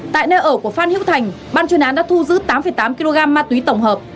tại nơi ở của phan hữu thành ban chuyên án đã thu giữ tám tám kg ma túy tổng hợp